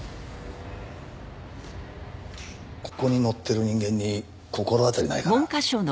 ここに載ってる人間に心当たりないかな？